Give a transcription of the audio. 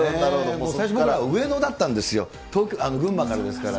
もう上野だったんですよ、群馬からですから、